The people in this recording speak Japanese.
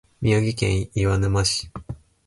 宮城県岩沼市